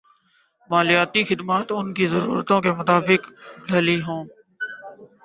مالیاتی خدمات ان کی ضرورتوں کے مطابق ڈھلی ہوں